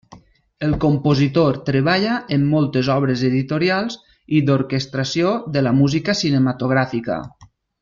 El compositor treballa en moltes obres editorials i d'orquestració de la música cinematogràfica.